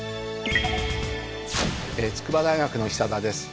筑波大学の久田です。